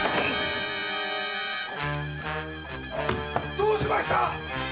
どうしました